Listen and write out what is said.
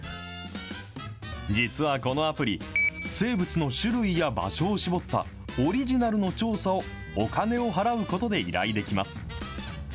実はこのアプリ、生物の種類や場所を絞ったオリジナルの調査を、お金を払うことで依頼できます。